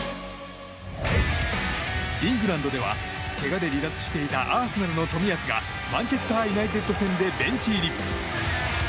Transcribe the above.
イングランドではけがで離脱していたアーセナルの冨安がマンチェスター・ユナイテッド戦でベンチ入り。